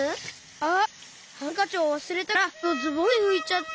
あっハンカチをわすれたからてをズボンでふいちゃった！